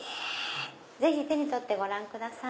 ぜひ手に取ってご覧ください。